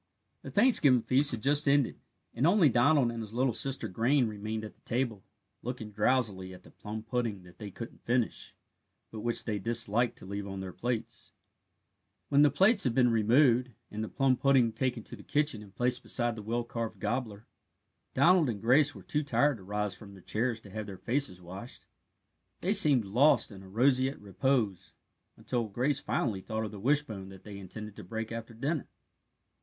The Thanksgiving feast had just ended, and only Donald and his little sister Grace remained at the table, looking drowsily at the plum pudding that they couldn't finish, but which they disliked to leave on their plates. [Footnote 9: From Harper's Young People, November 21, 1893.] When the plates had been removed, and the plum pudding taken to the kitchen and placed beside the well carved gobbler, Donald and Grace were too tired to rise from their chairs to have their faces washed. They seemed lost in a roseate repose, until Grace finally thought of the wishbone that they intended to break after dinner.